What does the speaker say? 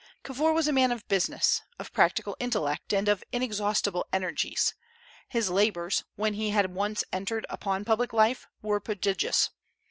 Cavour was a man of business, of practical intellect, and of inexhaustible energies. His labors, when he had once entered upon public life, were prodigious.